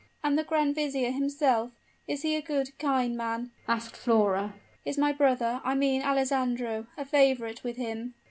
"And the grand vizier himself is he a good, kind man?" asked Flora. "Is my brother I mean Alessandro a favorite with him?"